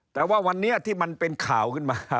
แต่ว่าวันนี้ที่มันเป็นข่าวขึ้นมา